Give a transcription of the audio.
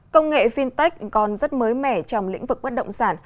công nghệ fintech còn rất mới mẻ trong lĩnh vực bất động sản